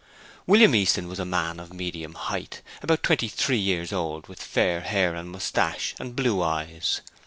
William Easton was a man of medium height, about twenty three years old, with fair hair and moustache and blue eyes.